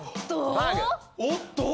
おっと！